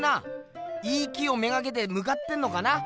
いい木を目がけてむかってんのかな？